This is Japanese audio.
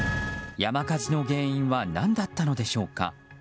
山火事の原因は何だったのでしょうか。